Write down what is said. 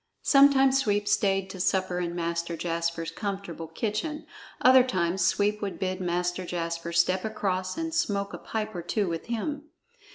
Sometimes Sweep stayed to supper in Master Jasper's comfortable kitchen; other times Sweep would bid Master Jasper step across and smoke a pipe or two with him.